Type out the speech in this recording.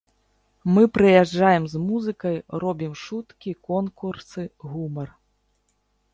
Мы прыязджаем з музыкай, робім шуткі, конкурсы, гумар.